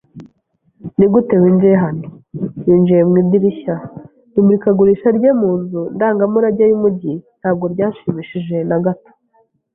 "Nigute winjiye hano?" "Ninjiye mu idirishya." Imurikagurisha rye mu nzu ndangamurage yumujyi ntabwo ryanshimishije na gato.